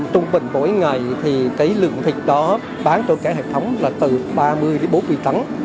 trung bình mỗi ngày thì lượng thịt đó bán cho các hệ thống là từ ba mươi đến bốn mươi tắng